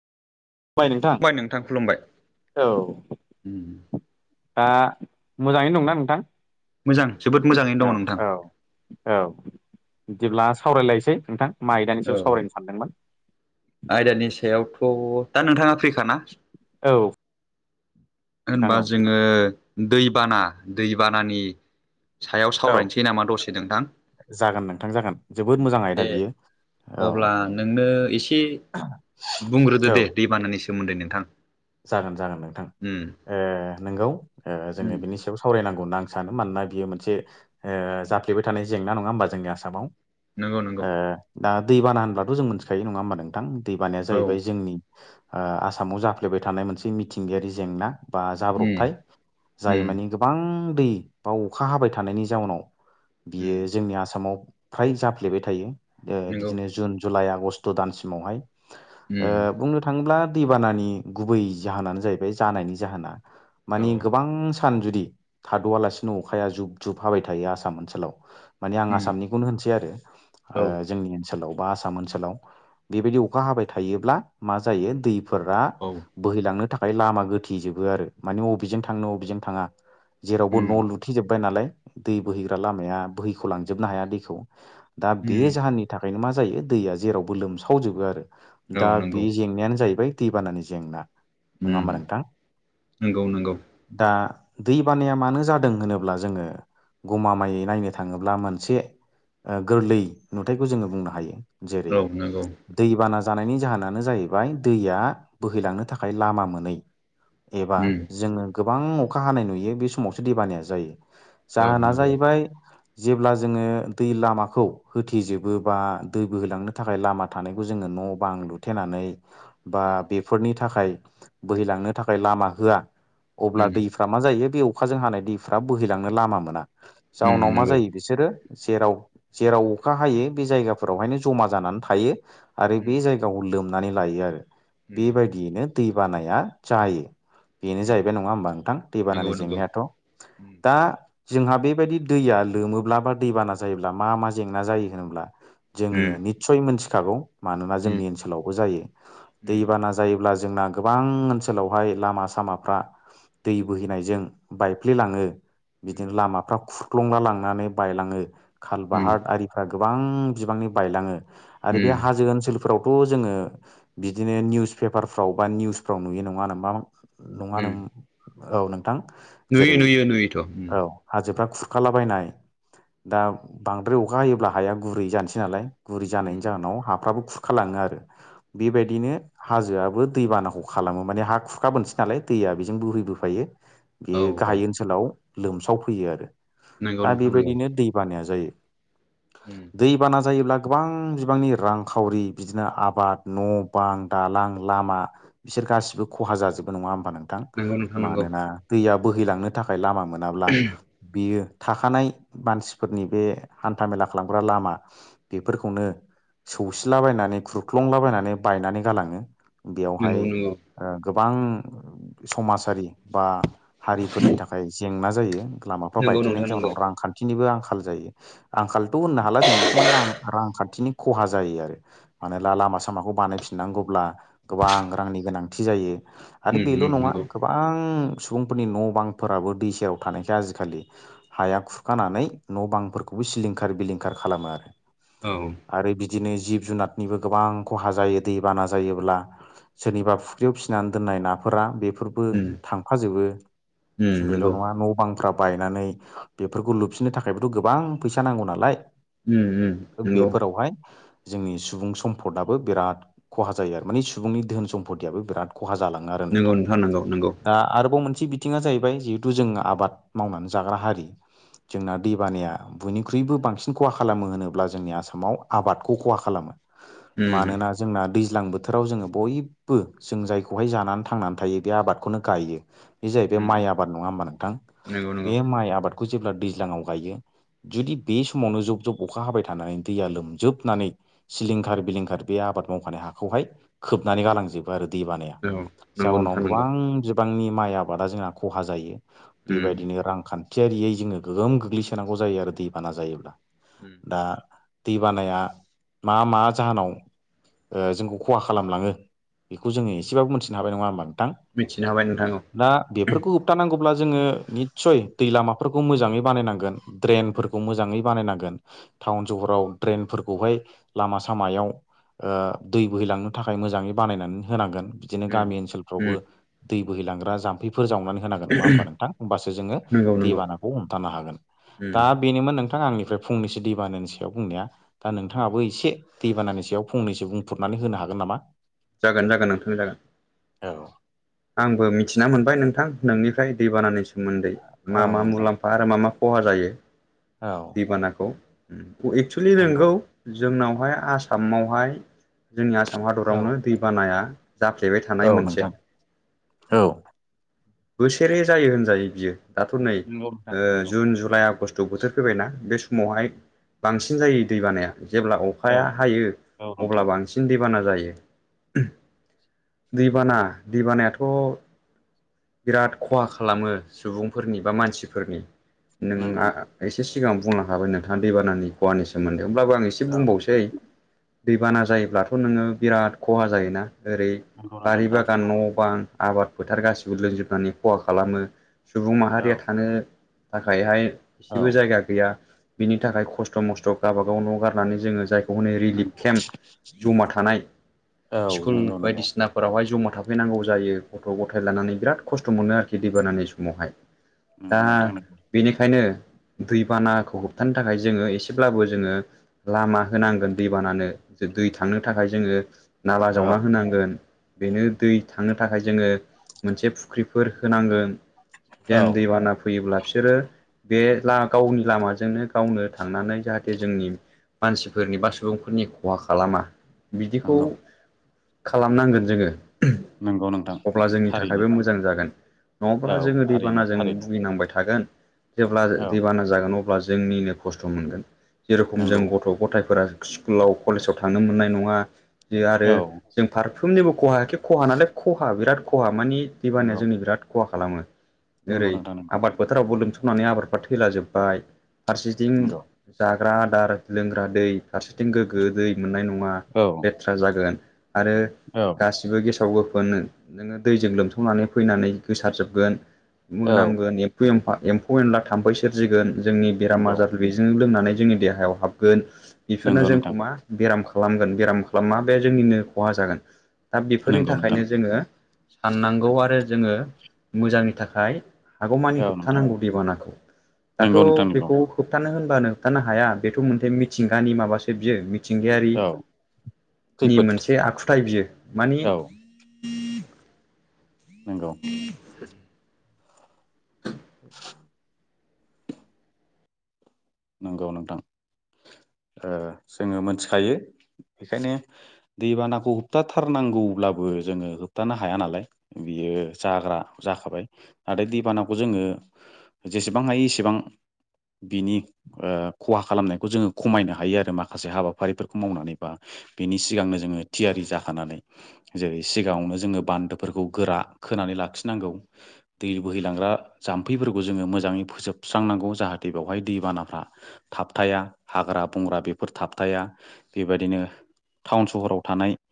बाय नोंथां खुलुमबाय। औ उम दा मोजाङैनो दंना नोंथां? मोजां जोबोद मोजाङैनो औ दङ नोंथां औ। औ बिदिब्ला सावरायलायसै नोंथां मा आयदानि औ सायाव सावरायनो सानदोंमोन। आयदानि सायावथ' दा नोंथाङा फ्रिखाना? औ। नोंथां होनबा औ जोङो दैबाना दैबानानि सायाव औ सावरायनोसै नामा दसे नोंथां? जागोन नोंथां जागोन जोबोद उम मोजां आयदा दे। बियो औ अब्ला नोंनो एसे बुंग्रोदो औ दे दैबानानि सोमोन्दै नोंथां। जागोन जागोन नोंथां उम ओ नोंगौ उम जोङो बिनि सायाव सावरायनांगौ होन्ना आं सानो। मानोना बियो मोनसे ओ जाफ्लेबाय थानाय जेंना नङा होमबा जोंनि आसामाव? नंगौ नंगौ ओ दा दैबाना होनब्लाथ' जों मोनथिखायो नङा होमबा नोंथां? दैबानाया औ जाहैबाय जोंनि। ओ आसामाव जाफ्लेबाय थानाय मोनसे मिथिंगायारि जेंना। बा उम जाब्रबथाय जाय उम मानि गोबां दै बा अखा हाबाय थानायनि जाउनाव उम बियो जोंनि आसामाव फ्राय जाफ्लेबाय थायो ओ नंगौ बिदिनो जुन जुलाइ आगस्ट' दानसिमावहाय ओ औ बुंनो थाङोब्ला दैबानानि गुबै जाहोनानो जाहैबाय जानायनि जाहोना औ मानि गोबां सान जुदि थाद'आलासिनो अखाया जुब जुब हाबाय थायो आसाम ओनसोलाव माने आं उम आसामनिखौनो होनसै आरो। ओ औ जोंनि ओनसोलाव बा आसाम ओनसोलाव। बेबायदि अखा हाबाय थायोब्ला मा जायो दैफोरा। औ। बोहैलांनो थाखाय लामा गोथेजोबो आरो मानि अबेजों थांनो अबेजों थाङा जेरावबो उम न' लु थेजोबबाय नालाय दै बोहैग्रा लामाया बोहैख' लांजोबनो हाया दैखौ दा बे उम जाहोननि थाखायनो मा जायो दैया जेरावबो लोमसावजोबो आरो औ दा बे नंगौ जेंनायानो जाहैबाय दै बानानि जेंना नङा उम होमबा नोंथां? नंगौ नंगौ दा दै बानाया मानो जादों होनोब्ला जोङो गमामायै नायनो थाङोब्ला मोनसे ओ गोरलै नुथायखौ जोङो बुंनो हायो। जेरै औ नंगौ दैबाना जानायनि जाहोनानो जाहैबाय दैया बोहैलांनो थाखाय लामा मोनै एबा उम जोङो। गोबां अखा हानाय नुयो बे समावसो दैबानाया जायो। औ जाहोना नंगौ जाहैबाय जेब्ला जोङो दै लामाखौ होथेजोबो बा दै बोहैलांनो थाखाय लामा थानायखौ जोङो न' बां लुथेनानै बा उम बेफोरनि थाखाय बोहैलांनो थाखाय लामा होआ अब्ला उम दैफोर मा जायो बे अखाजों हानाय दैफ्रा बोहैलांनो लामा मोना। उम जाउनाव मा नंगौ जायो बिसोरो जेराव जेराव अखा हायो बे जायगाफोरावहायनो जमा जानानै थायो। आरो उम बे जायगाखौ लोमनानै लायो आरो। उम बेबायदियैनो दैबानाया जायो। बेनो उम जाहैबाय नङा होमबा नोंथां नंगौ दैबानानि नंगौ जेंनायाथ' उम दा जोंहा बेबायदि दैया लोमोब्ला बा दैबाना जायोब्ला मा मा जेंना जायो होनोब्ला जोङो उम निस्सय मोनथिखागौ मानोना उम उम जोंनि ओनसोलावबो जायो। उम दैबाना जायोब्ला जोंना गोबां ओनसोलावहाय लामा सामाफ्रा दै बोहैनायजों बायफ्लेलाङो। बिदिनो लामाफ्रा खुरख्लंला लांनानै बायलाङो। उम खालबाहार आरि गोबां बिबांनि बायलाङो आरो बे उम हाजो ओनसोलफोरावथ' जोङो। बिदिनो निउस पेपारफ्राव बा निउसफ्राव नुयो नङानामा नङानो उम औ नोंथां नुयो जेरै नुयो नुयोथ' उम औ। नंगौ हाजोफ्रा खुरखालाबायनाय दा उम बांद्राय अखा हायोब्ला हाया गुरै जानोसै नालाय। गुरै जानायनि उम जाहोनाव हाफ्राबो खुरखालाङो आरो बेबायदिनो हाजोआबो दैबानाखौ खालामो माने हा खुखाबोनोसै नालाय दैया बेजों बोहैबोफायो। औ बियो औ गाहाय ओनसोलाव लोमसाव फैयो आरो। नंगौ दा नोंथां नंगौ बेबायदिनो दै बानाया जायो। उम। दैबाना जायोब्ला गोबां बिबांनि रांखावरि बिदिनो आबाद न' बां दालां लामा बिसोर गासिबो खहा जाजोबो नङा होमबा नोंथां नंगौ नोंथां नंगौ मानोना दैया बोहैलांनो थाखाय लामा मोनाब्ला बियो थाखानाय मानसिफोरनि बे हान्थामेला खालामग्रा लामा। बेफोरखौनो सौसिलाबायनानै ख्रुब उम ख्लंलाबायनानै बायनानै गालाङो बेयावहाय नंगौ नंगौ ओ गोबां समाजारि बा हारिफोरनि थाखाय जेंना जायो लामाफ्रा नंगौ बायथेनायनि नोंथां नंगौ जाउनाव रांखान्थिनिबो आंखाल जायो। आंखालथ' होननो हाला जों बेखौ माने आं रांखान्थिनि खहा जायो आरो मानोला लामा सामाखौ बानाय फिनांगौब्ला गोबां रांनि गोनांथि जायो आरो उम बेल' उम नङा। नंगौ गोबां सुबुंफोरनि न' बांफोराबो दै सेराव थानायखाय आजिखालि हाया खुरखानानै न' बांफोरखौबो सिलिंखार बिलिंखार खालामो आरो। औ। आरो बिदिनो जिब जुनारनिबो गोबां खहा जायो। दै बाना जायोब्ला सोरनिबा फुख्रियाव फिसिनानै दोननाय नाफोरा बेफोर बो थांफाजोबो उम बेल' नंगौ नङा न' बांफ्रा बायनानै बेफोरखौ लुबफिननो थाखायबोथ' गोबां फैसा नांगौ नालाय। उम उम नंगौ बेफोरावहाय जोंनि सुबुं सम्पद आबो बिराद खहा जायो आरो माने सुबुंनि धोन सम्फतियाबो बिराद खहा जालाङो आरो नंगौ नोंथां। नंगौ नंगौ [inaudible] दा आरोबाव मोनसे बिथिङा जाहैबाय जिहेथु जों आबाद मावनानै जाग्रा हारि। जोंना दैबानाया बयनिख्रुइबो बांसिन खहा खालामो होनोब्ला जोंनि आसामाव आबादखौ खहा खालामो। उम मानोना जोंना दैज्लां बोथोराव जोङो बयबो जों जायखौहाय जानानै थांनानै थायो बे आबादखौनो गायो। बे जाहैबाय उम माइ आबाद नङा होमबा नोंथां। नंगौ नंगौ बे माइ आबादखौ जेब्ला दैज्लाङाव गायो। जुदि बे समावनो जब जब अखा हाबाय थानानै दैया लोमजोबनानै सिलिंखार बिलिंखार बे आबाद हाखौहाय खोबनानै गालांजोबो आरो दै बानाया औ नंगौ जाउनाव नोंथां नंगौ गोबां बिबांनि माइ आबादा जोंना खहा जायो। उम बेबायदिनो रांखान्थि थियारियै जोङो गोहोम गोल्गैसोनांगौ जायो आरो दैबाना जायोब्ला। उम। दा दै बानाया मा मा जाहोनाव ओजोंखौ खहा खालामलाङो बेखौ जोङो एसेबाबो मोनथिनो हाबाय नङा होमबा नोंथां। मिथिनो हाबाय नोंथां औ। दा बेफोरखौ होबथानांगौब्ला जोङो निसय दै लामाफोरखौ मोजाङै बानायनांगोन। उम ड्रेनफोरखौ मोजाङै बानायनांगोन। टाउन सहराव ड्रेनफोरखौहाय लामा सामायाव ओ दै बोहैलांनो थाखाय मोजाङै बानायनानै होनांगोन बिदिनो उम गामि ओनसोलफ्रावबो। उम दै बोहैलांग्रा जाम्फैफोर जावनानै। होनांगोन नङा होनबा नोंथां होमबासो जोङो नंगौ दै नंगौ बानाखौ हमथानो हागोन। दा उम बेनोमोन नोंथां आंनिफ्राय फंनैसो दैबानानि सायाव बुंनाया दा औ नोंथाङाबो एसे दैबानानि सायाव फंनैसो बुंफ्रुनानै होनो हागोन नामा? जागोन जागोन नोंथांनि जागोन। औ। आंबो मिथिना मोनबाय नोंथां नोंनिफ्राय दैबानानि सोमोन्दै मा औ मा नोंथां मुलाम्फा बा आरो मा मा खहा जायो? औ। दैबानाखौ। एक्सेलि नंगौ नोंगौ जोंनावहाय आसामावहाय जोंनि आसाम औ हादरावनो दैबानाया जाफ्लेबाय थानाय औ मोनसे नोंथां औ बोसोरै जायो होनजायो बियो दाथ' नै नंगौ नोंथां ओ नंगौ जुन, जुलाइ, आगष्ट ट' बोथोर फैबायना बे समावहाय बांसिन जायो दै बानाया। जेब्ला औ अखाया हायो औ अब्ला नोंथां बांसिन बि दैबाना जायो। [inaudible] दैबाना दैबानायाथ' बिराद खहा खालामो सुबुंफोरनि बा नंगौ मानसिफोरनि नंगौ नोंहा एसे सिगां बुंलां खाबाय नोंथाङा दैबानानि सोमोन्दै होमब्लाबो आं एसे नोंथां औ बुंबावनोसै। दैबाना जायोब्लाथ' नोङो बिराद खहा जायोना ओरै नंगौ नोंथां बारि बिराद बागान खहा न' बां आबाद फोथार गासिबो लोंजोबनानै खहा खालामो सुबुं माहारिया जादों थानो थाखायहाय औ एसेबो जायगा गैया। बिनि थाखाय खस्थ' मस्थ' गावबागाव न' गारनानै जोङो जायखौ है रिलिफ नंगौ केम्प जमा थानाय औ स्कुल नंगौ नंगौ बायदिसिना फोरावहाय ज'मा थाफैनांगौ जायो गथ' गथाय लानानै बिराद खस्थ' मोनो आरोखि दैबानानि समावहाय। दा नंगौ नोंथां नंगौ बेनिखायनो दैबानाखौ होबथानो थाखाय जोङो एसेब्लाबो जोङो लामा होनांगोन दै बानानो जे दै थांनो थाखाय जोङो नाला औ जावना होनांगोन बेनो दै थांनो थाखाय जोङो मोनसे फुख्रिफोर होनांगोन औ देन दैबानाफोर फैयोब्ला बिसोरो बे ला गावनि लामाजोंनो गावनो थांनानै जाहाथे जोंनि मानसिफोरनि बा सुबुंफोरनि खहा खालामा बिदिखौ नंगौ खालामनांगोन जोङो। नंगौ नोंथां थारै। हायबो मोजां जागोन। नङाब्ला जोङो थारैनो दैबानाजों थारैनो भुगिनांबाय थागोन जेब्ला औ दैबाना जागोन अब्ला अब्ला जोंनिनो खस्थ' मोनगोन। जेरेखम नंगौ जों गथ' गथायफोरा स्कुलाव कलेजाव थांनो मोननाय नङा बे आरो औ जों फारफ्रोमनिबो खहायाखि खहा नालाय खहा बिराद खहा मानि दैबानया नंगौ जोंनि बिराद खहा खालामो। जेरै नंगौ नोंथां नंगौ आबाद फोथारावबो लोमसावनानै आबादफ्रा थैला जोबबाय। फारसेथिं नंगौ जाग्रा आदार लोंग्रा दै फारसेथिं गोग्गो दै मोननाय नङा। औ र्थ जागोन आरो औ गासिबो गेसाव गोफोन नोङो दैजों लोमसाव संनानै फैनानै गोसारजोबगोन औ मोनामगोन एम एम्फौ एनला थाम्फै सोरजिगोन जोंनि बेराम नंगौ आजारनि बेजों लोंनानै जोंनि देहायाव हाबगोन बेफोरनो नंगौ नोंथां जोंखौ मा बेराम खालामगोन बेराम खालामा बे जोंनिनो खहा जागोन दा बेफोरनि नंगौ नोंथां थाखायनो जोङो साननांगौ आरो जोङो मोजांनि थाखाय हागौमानि औ नोंथां होबथानांगौ दैबानाखौ दाथ' नंगौ नोंथां नंगौ बेखौ होबथानो होनबानो होबथानो हाया बेथ' मोनसे मिथिंगानि माबासो बियो औ मिथिंगायारिनि खैफोद मोनसे आखुथाय बियो माने औ नंगौ। ग [unintelligible] नंगौ नोंथां ओ जोङो ओ मोनथिखायो बेखायनो दैबानाखौ होबथाथारनांगौब्लाबो जोङो होबथानो हाया नालाय बियो जाग्रा जाखाबाय नाथाय दैबानाखौ जोङो जेसेबां हायो एसेबां बिनि ओ खहा खालामनायखौ जोङो खमायनो हायो आरो माखासे हाबाफारिफोरखौ मावनानै बा बिनि सिगांनो जोङो थियारि जाखानानै। जेरै सिगाङावनो जोङो बान्दोफोरखौ गोरा खोनानै लाखिनांगौ। दै बोहैलांग्रा जाम्फैफोरखौ जोङो मोजाङै फोजोबस्रांनांगौ जाहाथे बेवहाय दैबाना थाबथाया हाग्रा बंग्रा बेफोर थाबथाया बेबायदिनो टाउन सहराव थानाय